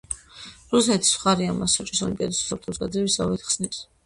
რუსეთის მხარე ამას „სოჭის ოლიმპიადის უსაფრთხოების გაძლიერების“ საბაბით ხსნის.